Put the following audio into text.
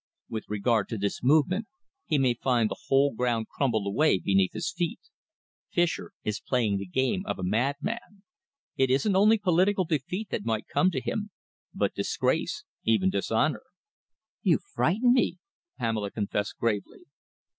With regard to this new movement, he may find the whole ground crumble away beneath his feet. Fischer is playing the game of a madman. It isn't only political defeat that might come to him, but disgrace even dishonour." "You frighten me," Pamela confessed gravely.